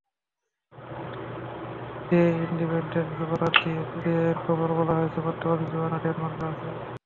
The ইনডিপেনডেন্টের বরাত দিয়ে পিটিআইয়ের খবরে বলা হয়েছে, বর্তমানে জোয়ানা ডেনমার্কে আছেন।